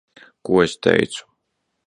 Ko es teicu?